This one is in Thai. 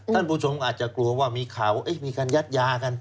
ท่านผู้ชมอาจจะกลัวว่ามีข่าวว่ามีการยัดยากัน